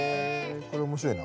これ面白いな。